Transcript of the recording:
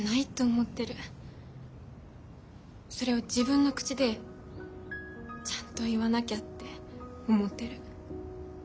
それを自分の口でちゃんと言わなきゃって思ってる。